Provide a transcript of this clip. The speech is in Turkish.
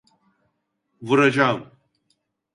Vuracağım.